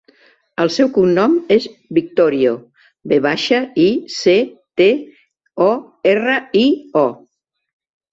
El seu cognom és Victorio: ve baixa, i, ce, te, o, erra, i, o.